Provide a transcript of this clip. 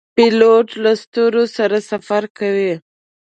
پیلوټ له ستورو سره سفر کوي.